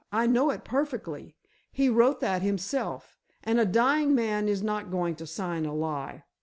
I know it perfectly. He wrote that himself. And a dying man is not going to sign a lie.